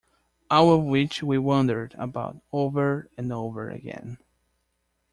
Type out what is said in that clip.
All of which we wondered about, over and over again.